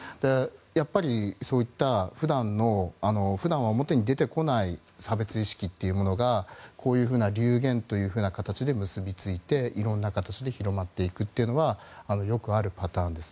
やっぱり、そういった普段は表に出てこない差別意識というものがこういうふうな流言という形で結び付いていろんな形で広まっていくというのはよくあるパターンです。